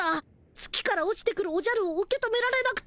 月から落ちてくるおじゃるを受け止められなくて。